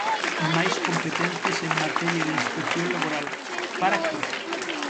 Máis competencias en materia de inspección laboral, ¿para que?